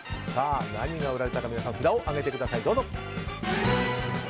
何が売られたか皆さん、札を上げてください。